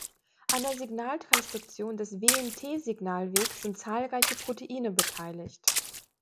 An der Signaltransduktion des Wnt-Signalweges sind zahlreiche Proteine beteiligt.